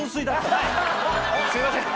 すいません！